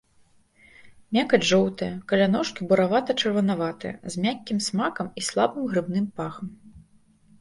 Мякаць жоўтая, каля ножкі буравата-чырванаватая, з мяккім смакам і слабым грыбным пахам.